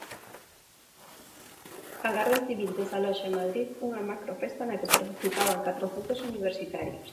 A Garda Civil desaloxa en Madrid unha macrofesta na que participaban catrocentos universitarios.